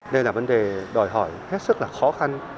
đây là vấn đề đòi hỏi hết sức là khó khăn